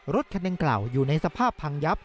รถคันดังกล่าวอยู่ในสภาพพังยับ